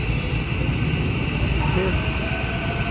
Yebda ireffu.